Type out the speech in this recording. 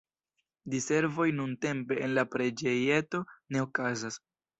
Diservoj nuntempe en la preĝejeto ne okazas.